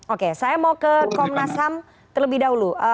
oke saya mau ke komnas ham terlebih dahulu